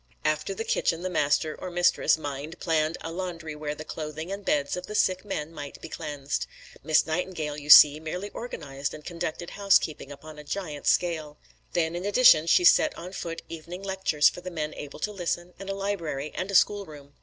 After the kitchen the master or mistress mind planned a laundry where the clothing and beds of the sick men might be cleansed. Miss Nightingale, you see, merely organised and conducted housekeeping upon a giant scale. Then in addition she set on foot evening lectures for the men able to listen, and a library and a schoolroom.